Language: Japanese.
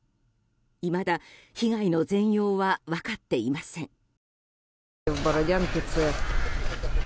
いまだ被害の全容は分かっていません。